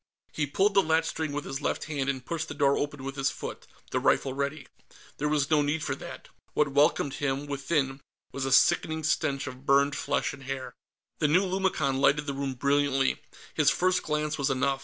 He pulled the latchstring with his left hand and pushed the door open with his foot, the rifle ready. There was no need for that. What welcomed him, within, was a sickening stench of burned flesh and hair. The new lumicon lighted the room brilliantly; his first glance was enough.